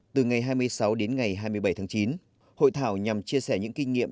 từ ngày hai mươi sáu đến ngày hai mươi bảy tháng chín hội thảo nhằm chia sẻ những kinh nghiệm